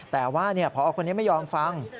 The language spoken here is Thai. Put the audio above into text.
แต่ว่าพอคนนี้ไม่ยอมฟัง